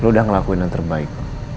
lu udah ngelakuin yang terbaik